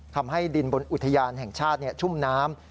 ทำให้ดินบนอุทยานแห่งชาติชุ่มน้ำ